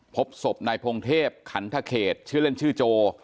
พบศพนายพงเทพขันทเขตชื่อเล่นชื่อโจ